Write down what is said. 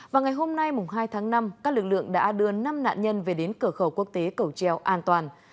và ngày hôm nay hai tháng năm các lực lượng đã đưa năm nạn nhân về đến cửa khẩu quốc tế cầu treo an toàn